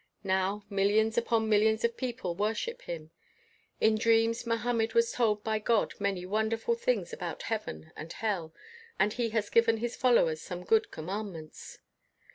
Now, millions upon millions of people wor ship him. In dreams Mohammed was told by God many wonderful things about heaven and hell, and he has given his fol lowers some good commandments."